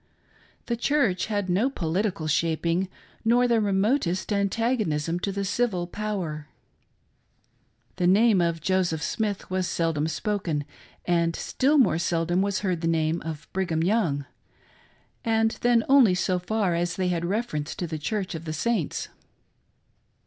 The church had no political shaping nor the remotest antagonism to the civil power. The 48 HOW CONVERTS WERE MADE. name of Joseph Smith was seldom spoken, and still more seldom was heard the name of Brigham Young, and then only so far as they had reference to the Church of the Saints.